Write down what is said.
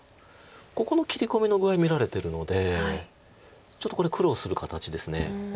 ここの切り込みの具合見られてるのでちょっとこれ苦労する形です。